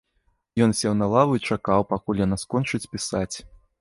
Ён сеў на лаву і чакаў, пакуль яна скончыць пісаць.